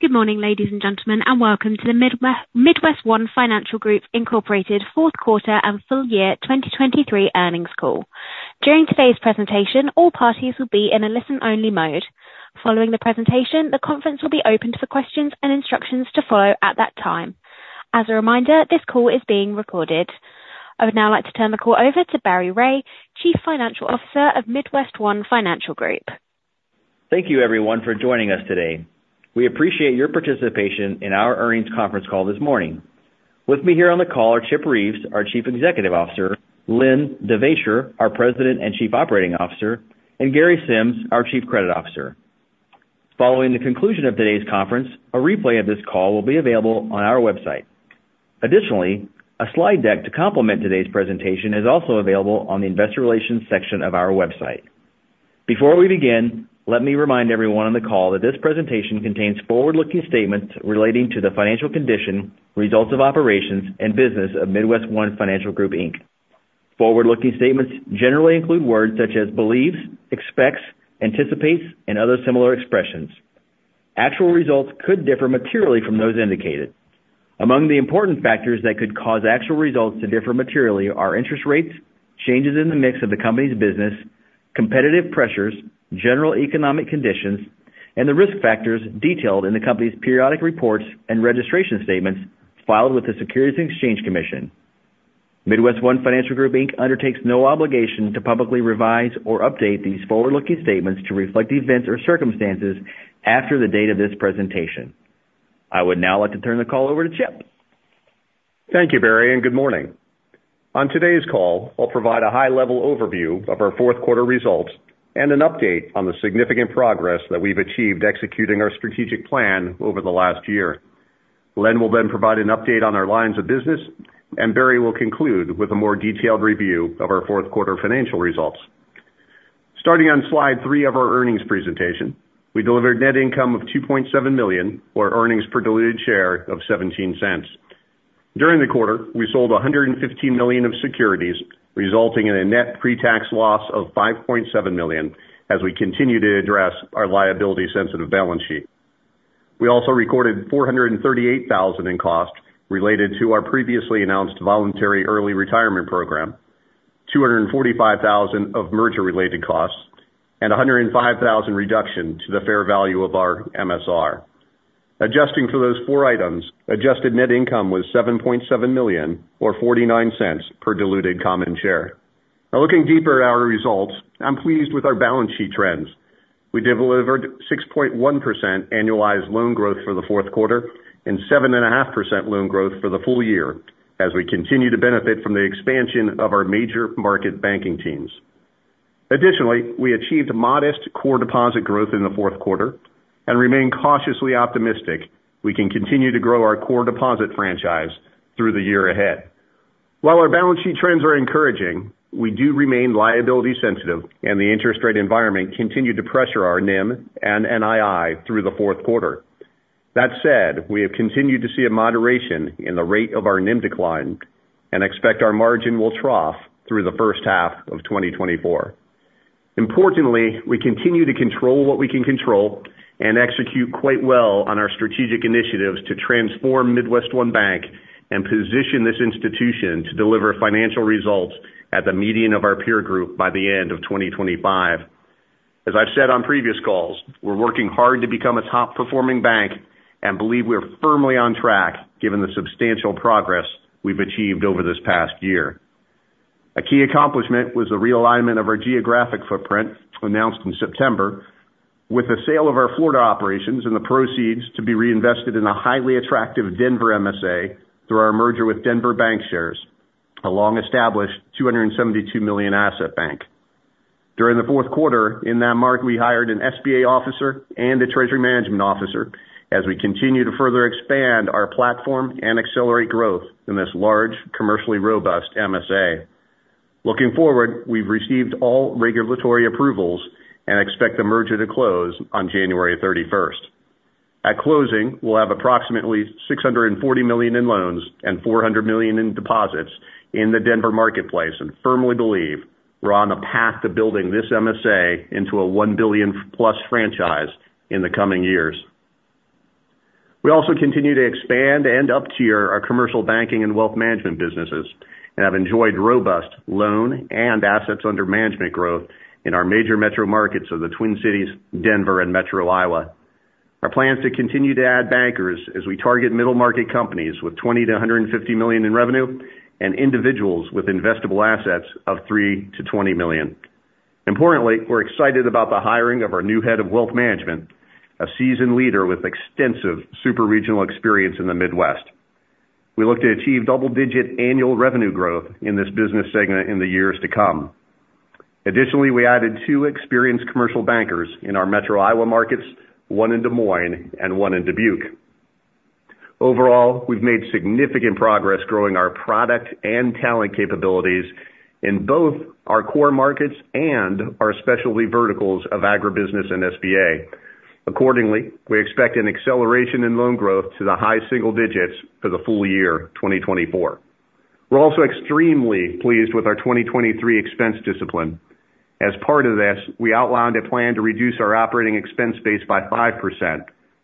Good morning, ladies and gentlemen, and welcome to the MidWestOne Financial Group Incorporated fourth quarter and full year 2023 earnings call. During today's presentation, all parties will be in a listen-only mode. Following the presentation, the conference will be open to questions and instructions to follow at that time. As a reminder, this call is being recorded. I would now like to turn the call over to Barry Ray, Chief Financial Officer of MidWestOne Financial Group. Thank you everyone for joining us today. We appreciate your participation in our earnings conference call this morning. With me here on the call are Chip Reeves, our Chief Executive Officer, Len Devaisher, our President and Chief Operating Officer, and Gary Sims, our Chief Credit Officer. Following the conclusion of today's conference, a replay of this call will be available on our website. Additionally, a slide deck to complement today's presentation is also available on the investor relations section of our website. Before we begin, let me remind everyone on the call that this presentation contains forward-looking statements relating to the financial condition, results of operations, and business of MidWestOne Financial Group, Inc. Forward-looking statements generally include words such as believes, expects, anticipates, and other similar expressions. Actual results could differ materially from those indicated. Among the important factors that could cause actual results to differ materially are interest rates, changes in the mix of the company's business, competitive pressures, general economic conditions, and the risk factors detailed in the company's periodic reports and registration statements filed with the Securities and Exchange Commission. MidWestOne Financial Group, Inc. undertakes no obligation to publicly revise or update these forward-looking statements to reflect events or circumstances after the date of this presentation. I would now like to turn the call over to Chip. Thank you, Barry, and good morning. On today's call, I'll provide a high-level overview of our fourth quarter results and an update on the significant progress that we've achieved executing our strategic plan over the last year. Len will then provide an update on our lines of business, and Barry will conclude with a more detailed review of our fourth quarter financial results. Starting on slide 3 of our earnings presentation, we delivered net income of $2.7 million, or earnings per diluted share of $0.17. During the quarter, we sold $115 million of securities, resulting in a net pre-tax loss of $5.7 million as we continue to address our liability-sensitive balance sheet. We also recorded $438,000 in costs related to our previously announced voluntary early retirement program, $245,000 of merger-related costs, and $105,000 reduction to the fair value of our MSR. Adjusting for those four items, adjusted net income was $7.7 million or $0.49 per diluted common share. Now, looking deeper at our results, I'm pleased with our balance sheet trends. We delivered 6.1% annualized loan growth for the fourth quarter and 7.5% loan growth for the full year as we continue to benefit from the expansion of our major market banking teams. Additionally, we achieved modest core deposit growth in the fourth quarter and remain cautiously optimistic we can continue to grow our core deposit franchise through the year ahead. While our balance sheet trends are encouraging, we do remain liability sensitive and the interest rate environment continued to pressure our NIM and NII through the fourth quarter. That said, we have continued to see a moderation in the rate of our NIM decline and expect our margin will trough through the first half of 2024. Importantly, we continue to control what we can control and execute quite well on our strategic initiatives to transform MidWestOne Bank and position this institution to deliver financial results at the median of our peer group by the end of 2025. As I've said on previous calls, we're working hard to become a top-performing bank and believe we are firmly on track given the substantial progress we've achieved over this past year. A key accomplishment was the realignment of our geographic footprint, announced in September, with the sale of our Florida operations and the proceeds to be reinvested in a highly attractive Denver MSA through our merger with Denver Bankshares, a long-established $272 million asset bank. During the fourth quarter, in that market, we hired an SBA officer and a treasury management officer as we continue to further expand our platform and accelerate growth in this large, commercially robust MSA. Looking forward, we've received all regulatory approvals and expect the merger to close on January 31st. At closing, we'll have approximately $640 million in loans and $400 million in deposits in the Denver marketplace and firmly believe we're on a path to building this MSA into a $1 billion+ Franchise in the coming years. We also continue to expand and up-tier our commercial banking and wealth management businesses and have enjoyed robust loan and assets under management growth in our major metro markets of the Twin Cities, Denver, and Metro Iowa. Our plan is to continue to add bankers as we target middle-market companies with $20 million-$150 million in revenue and individuals with investable assets of $3 million-$20 million. Importantly, we're excited about the hiring of our new head of wealth management, a seasoned leader with extensive super-regional experience in the Midwest. We look to achieve double-digit annual revenue growth in this business segment in the years to come. Additionally, we added 2 experienced commercial bankers in our Metro Iowa markets, one in Des Moines and one in Dubuque. Overall, we've made significant progress growing our product and talent capabilities in both our core markets and our specialty verticals of agribusiness and SBA. Accordingly, we expect an acceleration in loan growth to the high single digits for the full year 2024. We're also extremely pleased with our 2023 expense discipline. As part of this, we outlined a plan to reduce our operating expense base by 5%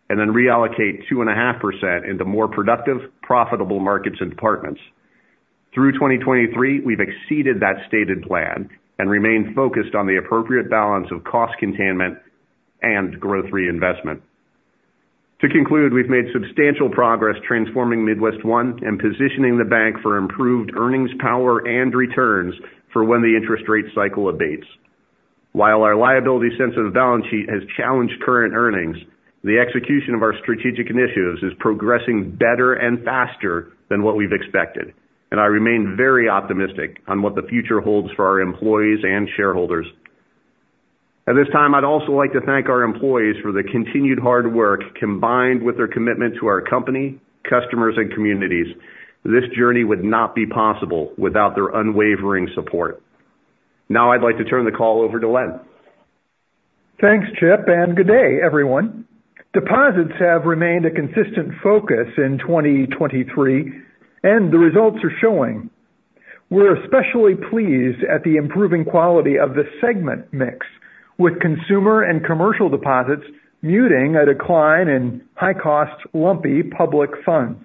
and then reallocate 2.5% into more productive, profitable markets and departments. Through 2023, we've exceeded that stated plan and remain focused on the appropriate balance of cost containment and growth reinvestment. To conclude, we've made substantial progress transforming MidWestOne and positioning the bank for improved earnings, power, and returns for when the interest rate cycle abates. While our liability-sensitive balance sheet has challenged current earnings, the execution of our strategic initiatives is progressing better and faster than what we've expected, and I remain very optimistic on what the future holds for our employees and shareholders. At this time, I'd also like to thank our employees for their continued hard work, combined with their commitment to our company, customers, and communities. This journey would not be possible without their unwavering support. Now I'd like to turn the call over to Len. Thanks, Chip, and good day everyone. Deposits have remained a consistent focus in 2023, and the results are showing. We're especially pleased at the improving quality of the segment mix, with consumer and commercial deposits muting a decline in high-cost, lumpy public funds.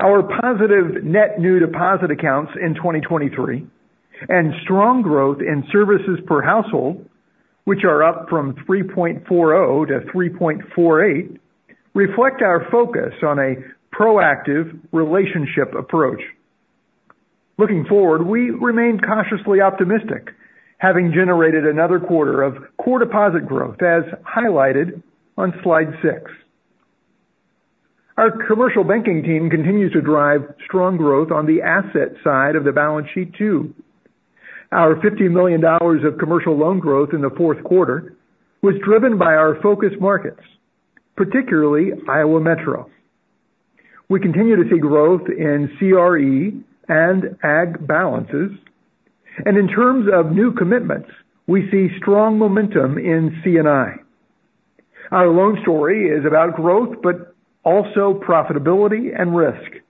Our positive net new deposit accounts in 2023 and strong growth in services per household, which are up from 3.40 to 3.48, reflect our focus on a proactive relationship approach. Looking forward, we remain cautiously optimistic, having generated another quarter of core deposit growth, as highlighted on slide six. Our commercial banking team continues to drive strong growth on the asset side of the balance sheet, too. Our $50 million of commercial loan growth in the fourth quarter was driven by our focus markets, particularly Metro Iowa. We continue to see growth in CRE and ag balances, and in terms of new commitments, we see strong momentum in C&I. Our loan story is about growth, but also profitability and risk.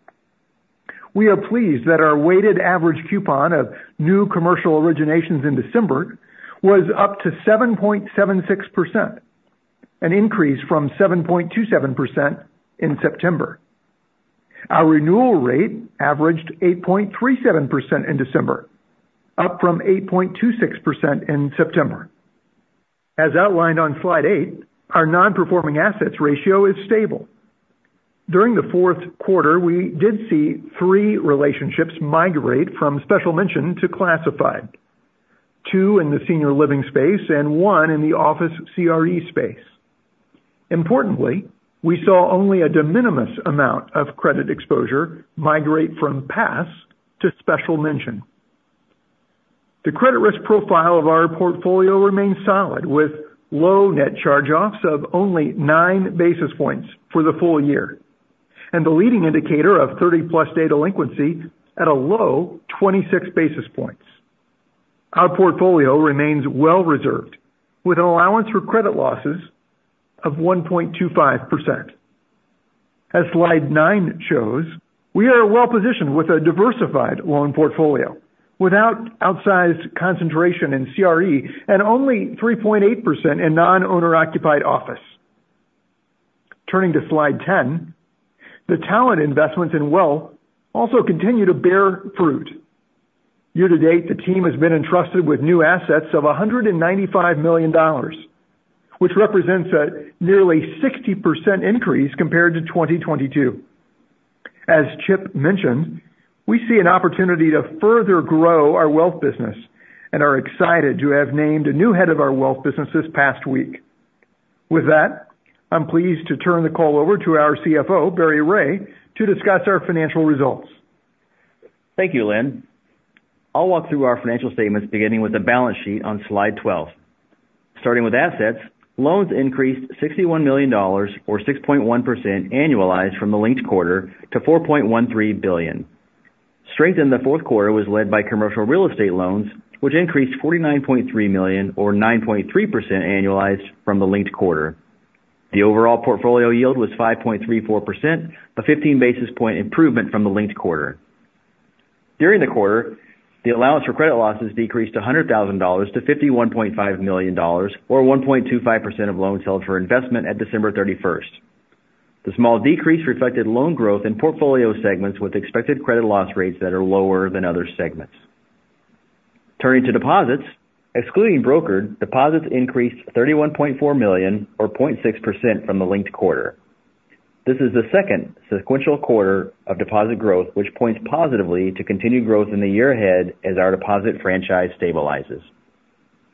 We are pleased that our weighted average coupon of new commercial originations in December was up to 7.76%, an increase from 7.27% in September. Our renewal rate averaged 8.37% in December, up from 8.26% in September. As outlined on slide eight, our non-performing assets ratio is stable. During the fourth quarter, we did see three relationships migrate from special mention to classified. Two in the senior living space and one in the office CRE space. Importantly, we saw only a de minimis amount of credit exposure migrate from pass to special mention. The credit risk profile of our portfolio remains solid, with low net charge-offs of only 9 basis points for the full year, and the leading indicator of 30-plus day delinquency at a low 26 basis points. Our portfolio remains well reserved, with an allowance for credit losses of 1.25%. As slide 9 shows, we are well positioned with a diversified loan portfolio, without outsized concentration in CRE and only 3.8% in non-owner-occupied office. Turning to slide 10, the talent investments in Wealth also continue to bear fruit. Year to date, the team has been entrusted with new assets of $195 million, which represents a nearly 60% increase compared to 2022. As Chip mentioned, we see an opportunity to further grow our wealth business and are excited to have named a new head of our wealth business this past week. With that, I'm pleased to turn the call over to our CFO, Barry Ray, to discuss our financial results. Thank you, Len. I'll walk through our financial statements, beginning with the balance sheet on slide 12. Starting with assets, loans increased $61 million or 6.1% annualized from the linked quarter to $4.13 billion. Strength in the fourth quarter was led by commercial real estate loans, which increased $49.3 million or 9.3% annualized from the linked quarter. The overall portfolio yield was 5.34%, a 15 basis point improvement from the linked quarter. During the quarter, the allowance for credit losses decreased to a $100,000 to $51.5 million or 1.25% of loans held for investment at December thirty-first. The small decrease reflected loan growth in portfolio segments with expected credit loss rates that are lower than other segments. Turning to deposits. Excluding brokered, deposits increased $31.4 million or 0.6% from the linked quarter. This is the second sequential quarter of deposit growth, which points positively to continued growth in the year ahead as our deposit franchise stabilizes.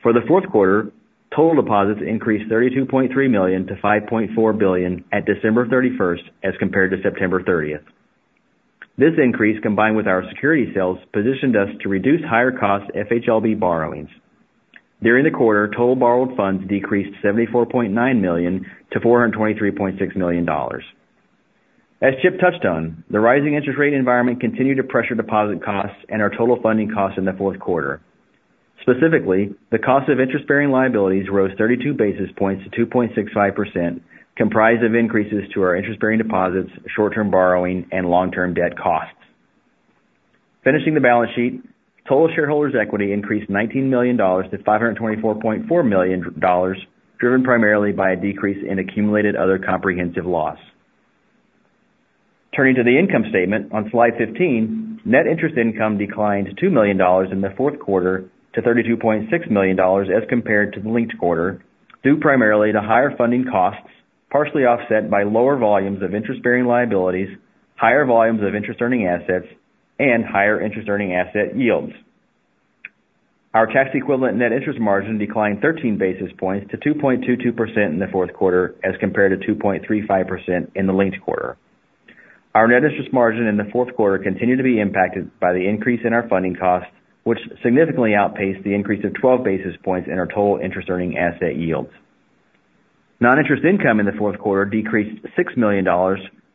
For the fourth quarter, total deposits increased $32.3 million to $5.4 billion at December 31 as compared to September 30. This increase, combined with our security sales, positioned us to reduce higher cost FHLB borrowings. During the quarter, total borrowed funds decreased $74.9 million to $423.6 million. As Chip touched on, the rising interest rate environment continued to pressure deposit costs and our total funding costs in the fourth quarter. Specifically, the cost of interest-bearing liabilities rose 32 basis points to 2.65%, comprised of increases to our interest-bearing deposits, short-term borrowing, and long-term debt costs. Finishing the balance sheet, total shareholders' equity increased $19 million to $524.4 million dollars, driven primarily by a decrease in Accumulated Other Comprehensive Loss. Turning to the income statement on slide 15, net interest income declined $2 million in the fourth quarter to $32.6 million dollars as compared to the linked quarter, due primarily to higher funding costs, partially offset by lower volumes of interest-bearing liabilities, higher volumes of interest earning assets, and higher interest earning asset yields. Our tax equivalent net interest margin declined 13 basis points to 2.22% in the fourth quarter, as compared to 2.35% in the linked quarter. Our net interest margin in the fourth quarter continued to be impacted by the increase in our funding costs, which significantly outpaced the increase of 12 basis points in our total interest earning asset yields. Non-interest income in the fourth quarter decreased $6 million,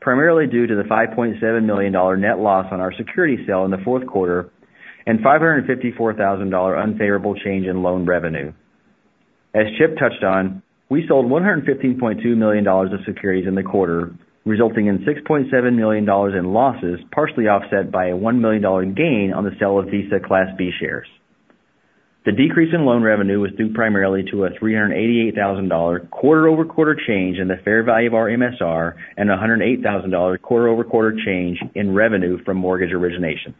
primarily due to the $5.7 million net loss on our security sale in the fourth quarter and $554,000 unfavorable change in loan revenue. As Chip touched on, we sold $115.2 million of securities in the quarter, resulting in $6.7 million in losses, partially offset by a $1 million gain on the sale of Visa Class B shares. The decrease in loan revenue was due primarily to a $388,000 quarter-over-quarter change in the fair value of our MSR and a $108,000 quarter-over-quarter change in revenue from mortgage originations.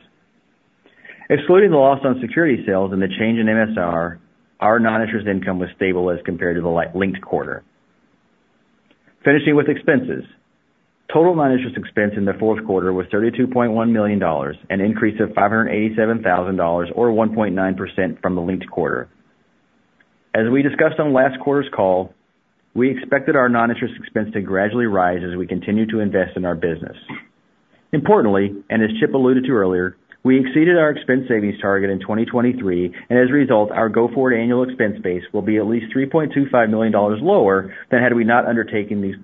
Excluding the loss on security sales and the change in MSR, our non-interest income was stable as compared to the linked quarter. Finishing with expenses. Total non-interest expense in the fourth quarter was $32.1 million, an increase of $587,000 or 1.9% from the linked quarter. As we discussed on last quarter's call, we expected our non-interest expense to gradually rise as we continue to invest in our business. Importantly, as Chip alluded to earlier, we exceeded our expense savings target in 2023, and as a result, our go-forward annual expense base will be at least $3.25 million lower than had we not undertaken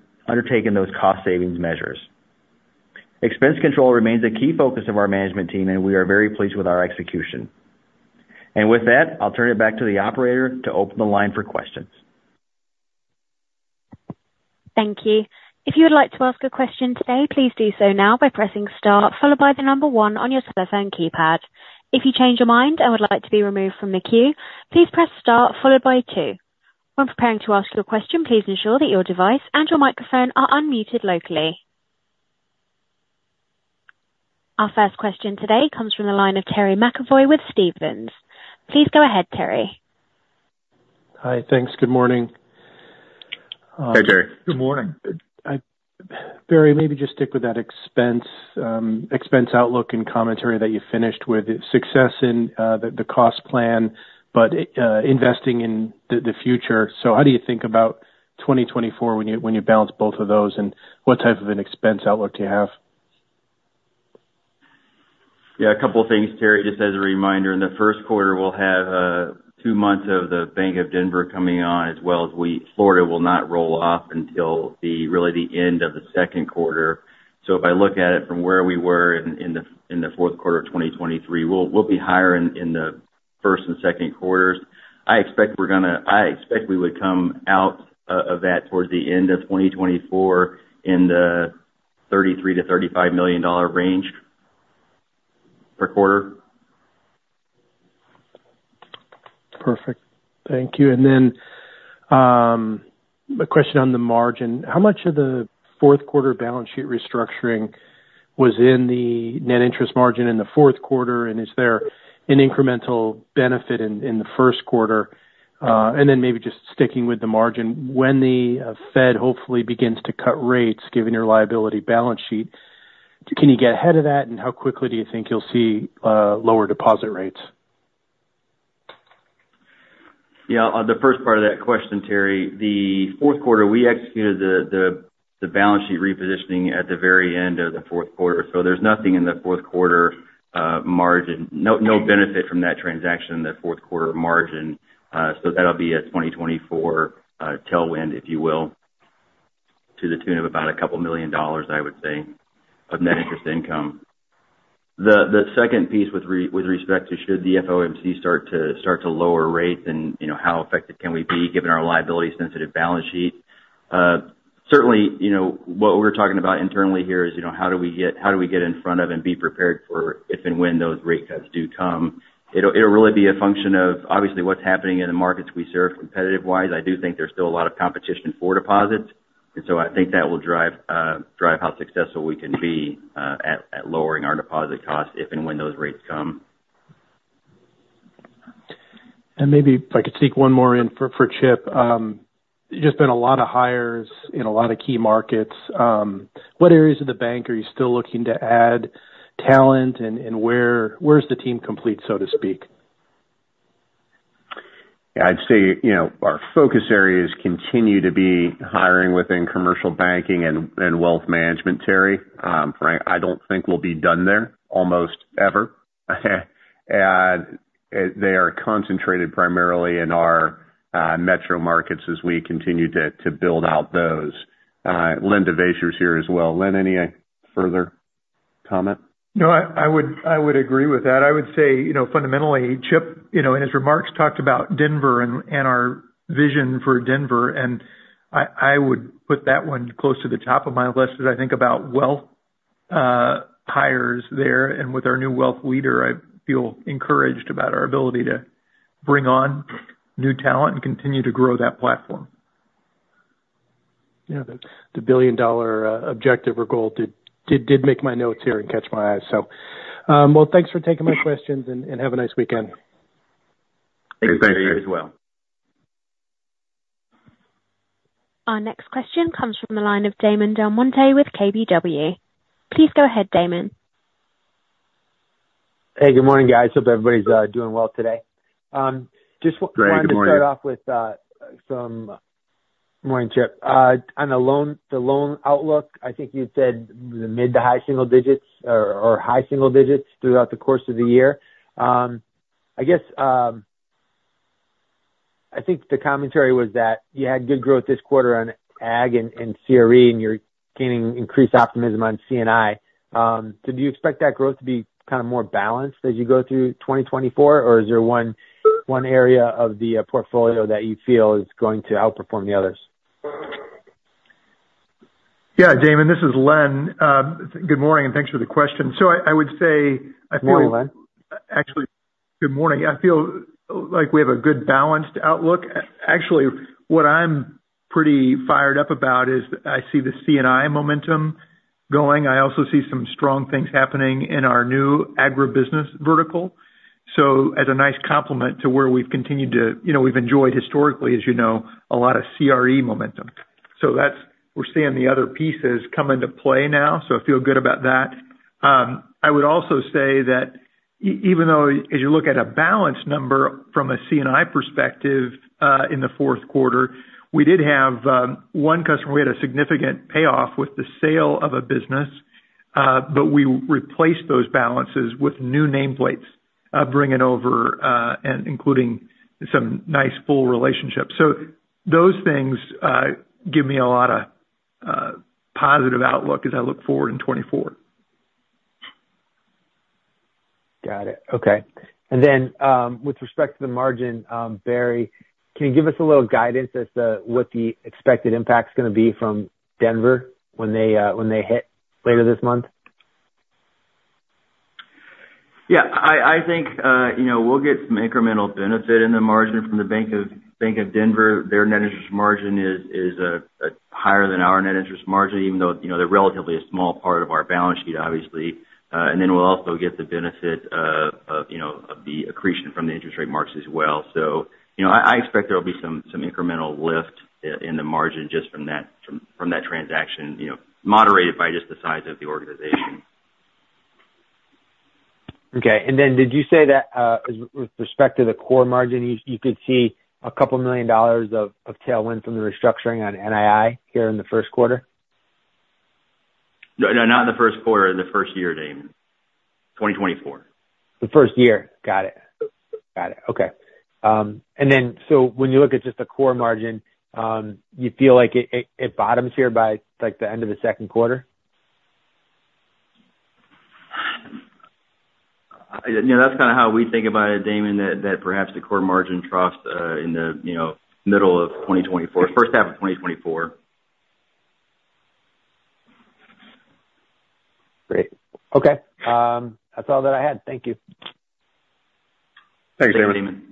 those cost savings measures. Expense control remains a key focus of our management team, and we are very pleased with our execution. With that, I'll turn it back to the operator to open the line for questions. Thank you. If you would like to ask a question today, please do so now by pressing star followed by the number one on your telephone keypad. If you change your mind and would like to be removed from the queue, please press star followed by two. When preparing to ask your question, please ensure that your device and your microphone are unmuted locally. Our first question today comes from the line of Terry McEvoy with Stephens. Please go ahead, Terry. Hi. Thanks. Good morning. Hi, Terry. Good morning. Barry, maybe just stick with that expense expense outlook and commentary that you finished with. Success in the cost plan, but investing in the future. So how do you think about 2024 when you balance both of those, and what type of an expense outlook do you have? Yeah, a couple of things, Terry. Just as a reminder, in the first quarter, we'll have two months of the Bank of Denver coming on, as well as we—Florida will not roll off until the, really, the end of the second quarter. So if I look at it from where we were in the fourth quarter of 2023, we'll be higher in the first and second quarters. I expect we're gonna—I expect we would come out of that towards the end of 2024 in the $33 million-$35 million range per quarter. Perfect. Thank you. And then, a question on the margin. How much of the fourth quarter balance sheet restructuring was in the net interest margin in the fourth quarter, and is there an incremental benefit in, in the first quarter? And then maybe just sticking with the margin, when the Fed hopefully begins to cut rates, given your liability balance sheet, can you get ahead of that? And how quickly do you think you'll see, lower deposit rates? Yeah, on the first part of that question, Terry, the fourth quarter, we executed the balance sheet repositioning at the very end of the fourth quarter. So there's nothing in the fourth quarter margin. No benefit from that transaction in the fourth quarter margin. So that'll be a 2024 tailwind, if you will, to the tune of about $2 million, I would say, of net interest income. The second piece with respect to should the FOMC start to lower rates and, you know, how effective can we be given our liability-sensitive balance sheet? Certainly, you know, what we're talking about internally here is, you know, how do we get in front of and be prepared for if and when those rate cuts do come? It'll really be a function of obviously what's happening in the markets we serve competitive-wise. I do think there's still a lot of competition for deposits, and so I think that will drive how successful we can be at lowering our deposit costs if and when those rates come. Maybe if I could sneak one more in for, for Chip. There's just been a lot of hires in a lot of key markets. What areas of the bank are you still looking to add talent and, and where, where's the team complete, so to speak? Yeah, I'd say, you know, our focus areas continue to be hiring within commercial banking and wealth management, Terry. I don't think we'll be done there almost ever. And they are concentrated primarily in our metro markets as we continue to build out those. Len Devaisher is here as well. Len, any further? comment? No, I, I would, I would agree with that. I would say, you know, fundamentally, Chip, you know, in his remarks, talked about Denver and, and our vision for Denver, and I, I would put that one close to the top of my list as I think about wealth hires there. And with our new wealth leader, I feel encouraged about our ability to bring on new talent and continue to grow that platform. Yeah, the billion-dollar objective or goal did make my notes here and catch my eye. So, well, thanks for taking my questions and have a nice weekend. Thanks as well. Our next question comes from the line of Damon DelMonte with KBW. Please go ahead, Damon. Hey, good morning, guys. Hope everybody's doing well today. Just- Great, good morning. Wanted to start off with some... Morning, Chip. On the loan outlook, I think you said the mid to high single digits or high single digits throughout the course of the year. I guess I think the commentary was that you had good growth this quarter on ag and CRE, and you're gaining increased optimism on CNI. Did you expect that growth to be kind of more balanced as you go through 2024? Or is there one area of the portfolio that you feel is going to outperform the others? Yeah, Damon, this is Len. Good morning, and thanks for the question. So I would say, I feel- Good morning, Len. Actually, good morning. I feel like we have a good balanced outlook. Actually, what I'm pretty fired up about is I see the CNI momentum going. I also see some strong things happening in our new agribusiness vertical. So as a nice complement to where we've continued to... You know, we've enjoyed historically, as you know, a lot of CRE momentum. So that's—we're seeing the other pieces come into play now, so I feel good about that. I would also say that even though as you look at a balanced number from a CNI perspective, in the fourth quarter, we did have, one customer, we had a significant payoff with the sale of a business, but we replaced those balances with new nameplates, bringing over, and including some nice full relationships. Those things give me a lot of positive outlook as I look forward in 2024. Got it. Okay. And then, with respect to the margin, Barry, can you give us a little guidance as to what the expected impact is gonna be from Denver when they hit later this month? Yeah. I think, you know, we'll get some incremental benefit in the margin from the Bank of Denver. Their net interest margin is higher than our net interest margin, even though, you know, they're relatively a small part of our balance sheet, obviously. And then we'll also get the benefit of you know of the accretion from the interest rate marks as well. So, you know, I expect there will be some incremental lift in the margin just from that, from that transaction, you know, moderated by just the size of the organization. Okay. And then did you say that with respect to the core margin, you could see $2 million of tailwind from the restructuring on NII here in the first quarter? No, no, not in the first quarter, in the first year, Damon. 2024. The first year. Got it. Got it. Okay. And then, so when you look at just the core margin, you feel like it bottoms here by, like, the end of the second quarter? You know, that's kind of how we think about it, Damon, that, that perhaps the Core Margin troughs in the, you know, middle of 2024, first half of 2024. Great. Okay. That's all that I had. Thank you. Thanks, Damon.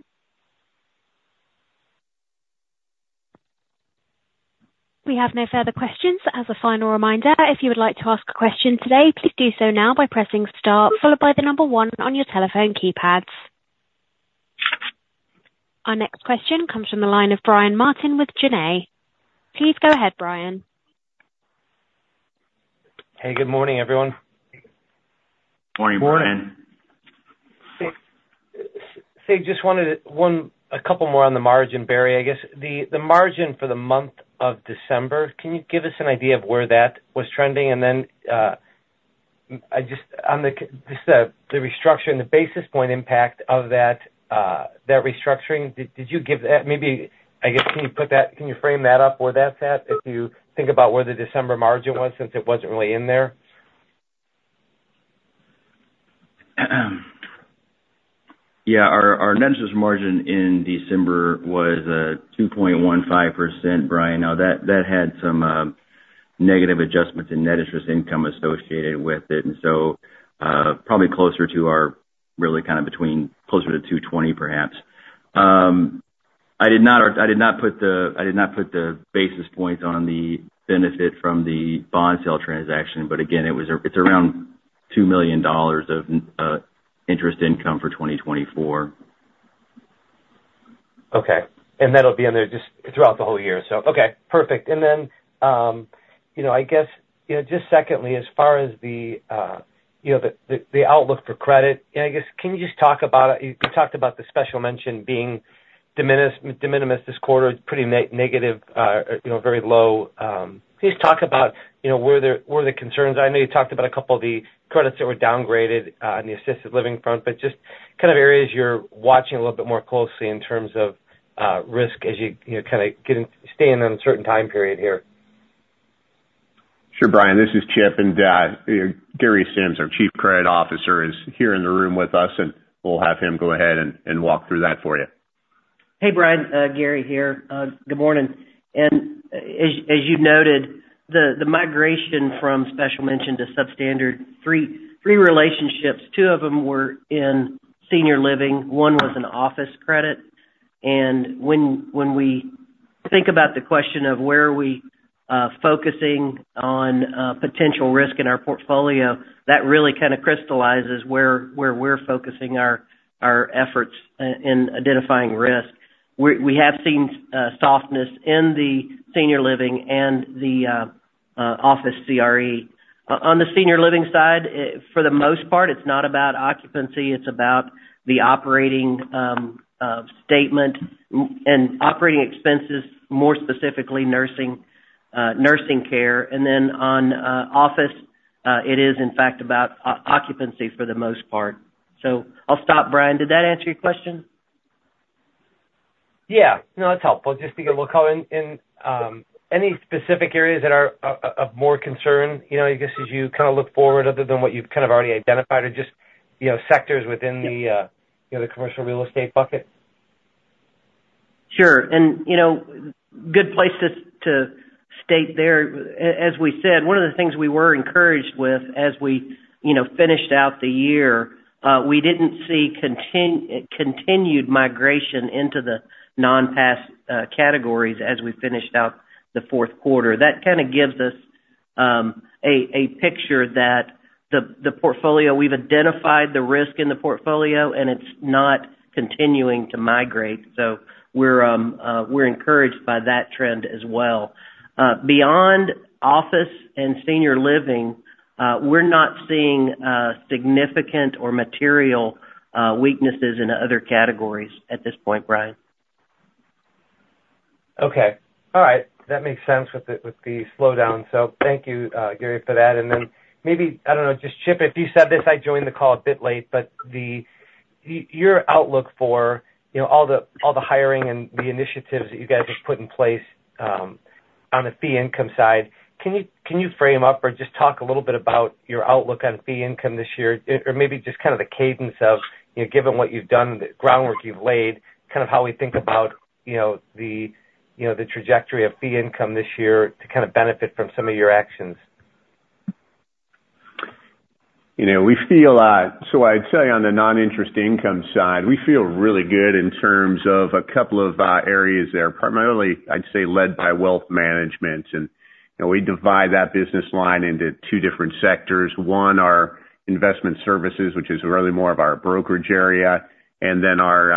We have no further questions. As a final reminder, if you would like to ask a question today, please do so now by pressing star, followed by the number one on your telephone keypads. Our next question comes from the line of Brian Martin with Janney. Please go ahead, Brian. Hey, good morning, everyone. Morning, Brian. So just wanted to one, a couple more on the margin, Barry. I guess the margin for the month of December, can you give us an idea of where that was trending? And then, on just the restructuring, the basis point impact of that restructuring, did you give that maybe? I guess, can you put that, can you frame that up where that's at, if you think about where the December margin was, since it wasn't really in there? Yeah, our net interest margin in December was 2.15%, Brian. Now, that had some negative adjustments in net interest income associated with it, and so, probably closer to our really kind of between, closer to 2.20, perhaps. I did not put the basis points on the benefit from the bond sale transaction, but again, it was, it's around $2 million of interest income for 2024. Okay. And that'll be in there just throughout the whole year. So, okay, perfect. And then, you know, I guess, just secondly, as far as the, you know, the outlook for credit, I guess, can you just talk about, you talked about the Special Mention being deminimis this quarter, pretty negative, you know, very low. Please talk about, you know, where the concerns are. I know you talked about a couple of the credits that were downgraded, on the assisted living front, but just kind of areas you're watching a little bit more closely in terms of, risk as you, you know, kind of getting, staying on a certain time period here. Sure, Brian, this is Chip, and Gary Sims, our Chief Credit Officer, is here in the room with us, and we'll have him go ahead and walk through that for you. Hey, Brian, Gary here. Good morning. As you noted, the migration from Special Mention to substandard, three relationships, two of them were in Senior Living, one was an office credit. When we think about the question of where we are focusing on potential risk in our portfolio, that really kind of crystallizes where we're focusing our efforts in identifying risk. We have seen softness in the Senior Living and the office CRE. On the Senior Living side, it - for the most part, it's not about occupancy, it's about the operating statement and operating expenses, more specifically, nursing care. Then on office, it is, in fact, about occupancy for the most part. So I'll stop, Brian. Did that answer your question? Yeah. No, that's helpful. Just because we'll call in any specific areas that are of more concern, you know, I guess, as you kind of look forward, other than what you've kind of already identified or just, you know, sectors within the, you know, the commercial real estate bucket? Sure. And, you know, good place to state there, as we said, one of the things we were encouraged with, as we, you know, finished out the year, we didn't see continued migration into the non-pass categories as we finished out the fourth quarter. That kind of gives us a picture that the portfolio... We've identified the risk in the portfolio, and it's not continuing to migrate. So we're encouraged by that trend as well. Beyond office and Senior Living, we're not seeing significant or material weaknesses in other categories at this point, Brian. Okay. All right. That makes sense with the, with the slowdown. So thank you, Gary, for that. And then maybe, I don't know, just Chip, if you said this, I joined the call a bit late, but your outlook for, you know, all the, all the hiring and the initiatives that you guys have put in place, on the fee income side, can you, can you frame up or just talk a little bit about your outlook on fee income this year? Or, or maybe just kind of the cadence of, you know, given what you've done, the groundwork you've laid, kind of how we think about, you know, the, you know, the trajectory of fee income this year to kind of benefit from some of your actions. You know, we feel, so I'd say on the non-interest income side, we feel really good in terms of a couple of areas there, primarily, I'd say, led by wealth management. You know, we divide that business line into two different sectors: one, our investment services, which is really more of our brokerage area, and then our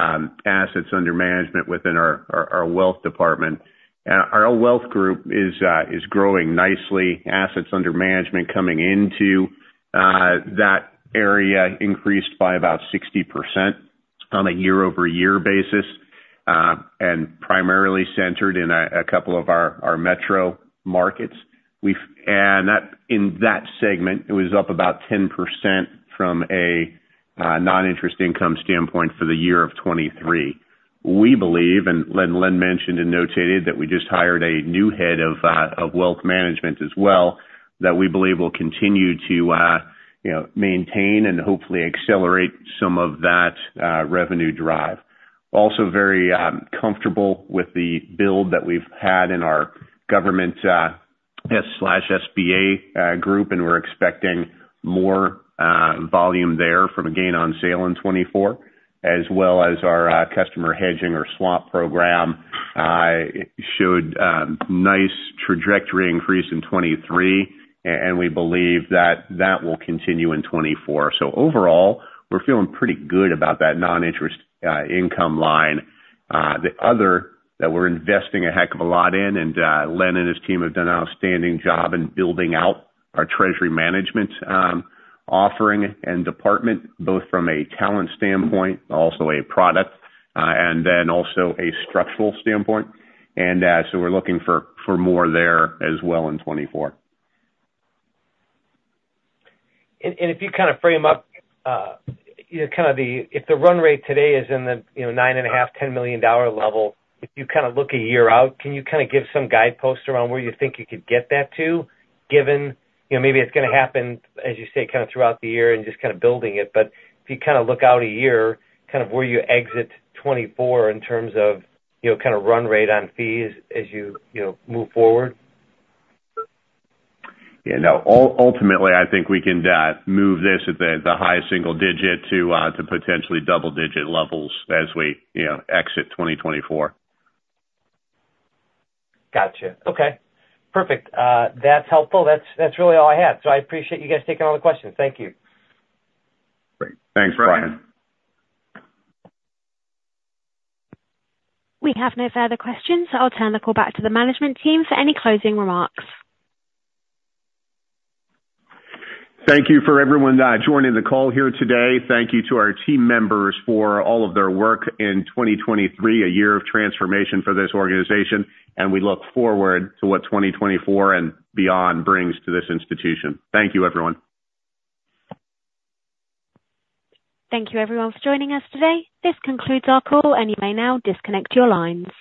assets under management within our wealth department. Our wealth group is growing nicely. Assets under management coming into that area increased by about 60% on a year-over-year basis, and primarily centered in a couple of our metro markets. And that, in that segment, it was up about 10% from a non-interest income standpoint for the year of 2023. We believe, and Len, Len mentioned and notated, that we just hired a new head of wealth management as well, that we believe will continue to, you know, maintain and hopefully accelerate some of that revenue drive. Also very comfortable with the build that we've had in our government SBA group, and we're expecting more volume there from a gain on sale in 2024, as well as our customer hedging or swap program. It showed nice trajectory increase in 2023, and we believe that that will continue in 2024. So overall, we're feeling pretty good about that non-interest income line. The other that we're investing a heck of a lot in, and Len and his team have done an outstanding job in building out our Treasury Management offering and department, both from a talent standpoint, also a product, and then also a structural standpoint. So we're looking for more there as well in 2024. And if you kind of frame up, you know, kind of the—if the run rate today is in the, you know, $9.5 million-$10 million level, if you kind of look a year out, can you kind of give some guideposts around where you think you could get that to, given, you know, maybe it's gonna happen, as you say, kind of throughout the year and just kind of building it. But if you kind of look out a year, kind of where you exit 2024 in terms of, you know, kind of run rate on fees as you, you know, move forward? Yeah, no. Ultimately, I think we can move this at the highest single digit to potentially double digit levels as we, you know, exit 2024. Gotcha. Okay, perfect. That's helpful. That's, that's really all I had. So I appreciate you guys taking all the questions. Thank you. Great. Thanks, Brian. We have no further questions, so I'll turn the call back to the management team for any closing remarks. Thank you for everyone joining the call here today. Thank you to our team members for all of their work in 2023, a year of transformation for this organization, and we look forward to what 2024 and beyond brings to this institution. Thank you, everyone. Thank you everyone for joining us today. This concludes our call, and you may now disconnect your lines.